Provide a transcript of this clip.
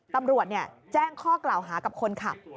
ตำรวจแจ้งข้อกล่าวหากับคนขับ